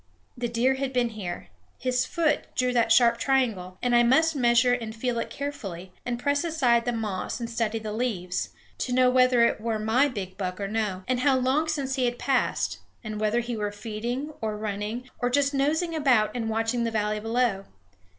The deer had been here; his foot drew that sharp triangle; and I must measure and feel it carefully, and press aside the moss, and study the leaves, to know whether it were my big buck or no, and how long since he had passed, and whether he were feeding or running or just nosing about and watching the valley below.